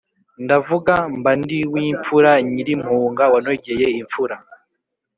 ndavuga mbandiwimfura nyirimpunga wanogeye imfura.